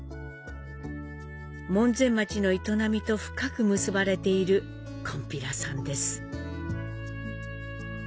門前町の営みと深く結ばれている「こんぴらさん」です。